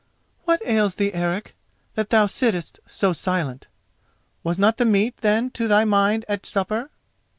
"What ails thee, Eric, that thou sittest so silent? Was not the meat, then, to thy mind at supper?"